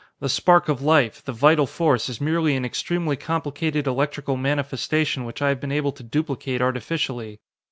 The spark of life, the vital force, is merely an extremely complicated electrical manifestation which I have been able to duplicate artificially.